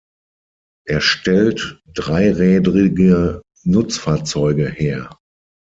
Er stellt dreirädrige Nutzfahrzeuge her.